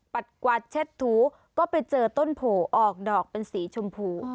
กวาดเช็ดถูก็ไปเจอต้นโผล่ออกดอกเป็นสีชมพู